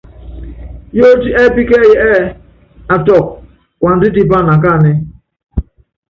Yóótí ɛ́ɛ́pí kɛ́ɛ́yí ɛ́ɛ́: Atúkɔ, puandá tipá anakáánɛ́.